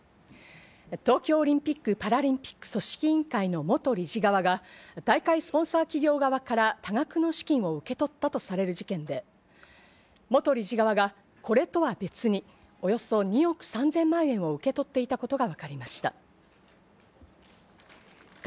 東京オリンピック・パラリンピック組織委員会の元理事側が大会スポンサー企業側から多額の資金を受け取ったとされる事件で、元理事側がこれとは別におよそ２億３０００万円を受け取っていたことが分かりました。